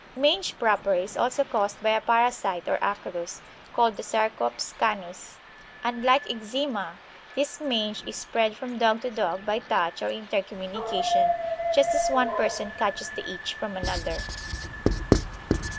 Mange Proper is also caused by a parasite or acarus, called the Sarcops canus. Unlike eczema, this mange is spread from dog to dog by touch or intercommunication, just as one person catches the itch from another.